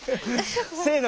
せの。